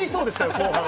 後半。